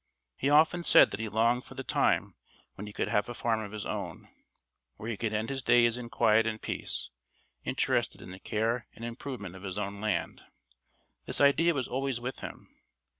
He often said that he longed for the time when he could have a farm of his own, where he could end his days in quiet and peace, interested in the care and improvement of his own land. This idea was always with him.